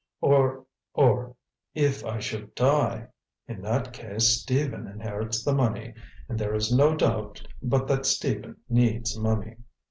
Or or, if I should die in that case Stephen inherits the money. And there is no doubt but that Stephen needs money."